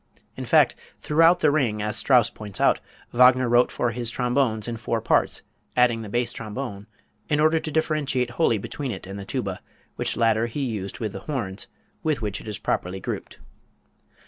In fact, throughout the "Ring," as Strauss points out, Wagner wrote for his trombones in four parts, adding the bass trombone in order to differentiate wholly between it and the tuba, which latter he used with the horns, with which it is properly grouped.